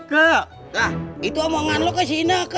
nah itu omongan lo ke ine